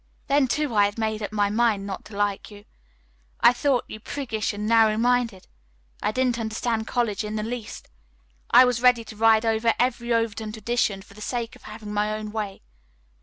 Then, too, I had made up my mind not to like you. I thought you priggish and narrow minded. I didn't understand college in the least. I was ready to ride over every Overton tradition for the sake of having my own way.